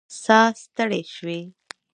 ساه ستړې شوې